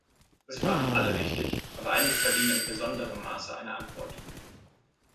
Sie waren alle wichtig, aber einige verdienen in besonderem Maße eine Antwort.